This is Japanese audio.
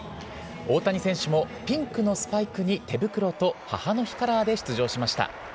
大谷選手もピンクのスパイクに手袋と、母の日カラーで出場しました。